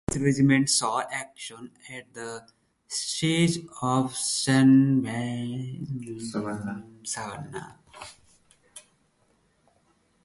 The regiment saw action at the Siege of Savannah.